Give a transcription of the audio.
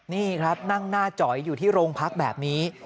นี่ครับนั่งหน้าจอยอยู่ที่โรงพักแบบนี้